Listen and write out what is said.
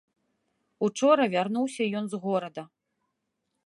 Учора вярнуўся ён з горада.